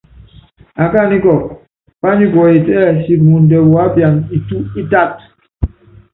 Akání kɔkɔ, pányikuɔyiti ɛ́ɛ siki muundɛ wuápiana itu itátɔ́.